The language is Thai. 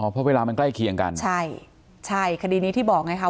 เพราะเวลามันใกล้เคียงกันใช่ใช่คดีนี้ที่บอกไงครับ